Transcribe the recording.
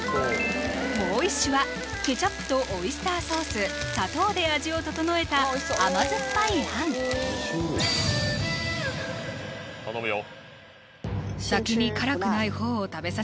もう一種はケチャップとオイスターソース砂糖で味を調えた甘酸っぱい餡頼むよ